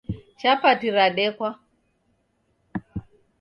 Chapati radekwa